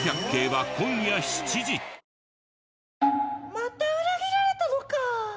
また裏切られたのか。